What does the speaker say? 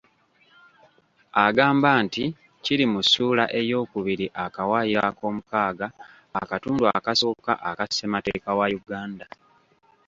Agamba nti kiri mu ssuula eyookubiri akawaayiro ak'omukaaga akatundu akasooka aka ssemateeka wa Uganda.